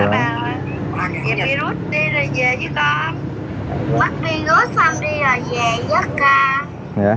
ba bà ơi dạ virus đi rồi về với con